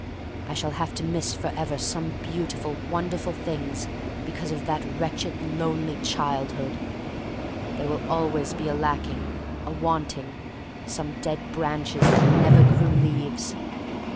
I shall have to miss forever some beautiful, wonderful things because of that wretched, lonely childhood. There will always be a lacking, a wanting — some dead branches that never grew leaves.